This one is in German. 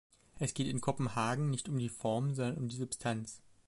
Es geht in Kopenhagen nicht um die Form, sondern um die Substanz.